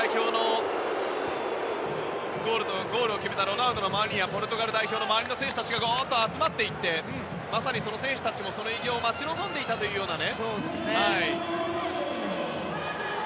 ゴールを決めたロナウドの周りにはポルトガル代表の選手たちが集まっていってまさにその選手たちもその偉業を待ち望んでいたような。